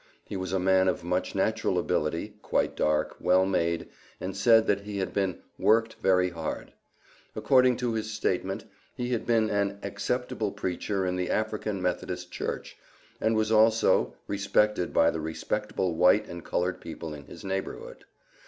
He was a man of much natural ability, quite dark, well made, and said that he had been "worked very hard." According to his statement, he had been an "acceptable preacher in the African Methodist Church," and was also "respected by the respectable white and colored people in his neighborhood."